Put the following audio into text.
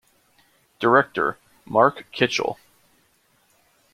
Director, Mark Kitchell.